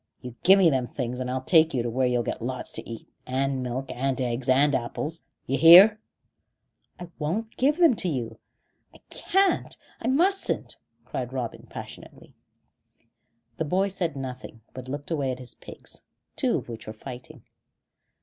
You give me them things, and I'll take you where you'll get lots to eat, and milk and eggs and apples. D'yer hear?" "I won't give them to you. I can't I mustn't," cried Robin passionately. The boy said nothing, but looked away at his pigs, two of which were fighting.